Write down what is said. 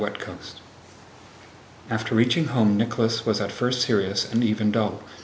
CHAPTER II After reaching home Nicholas was at first serious and even dull.